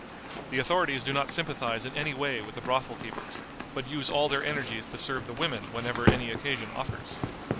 The authorities do not sympathize in any way with the brothel keepers, but use all their energies to serve the women whenever any occasion offers.